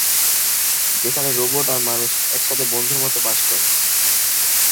যেখানে রোবট আর মানুষ একসাথে বন্ধুর মতো বাস করে।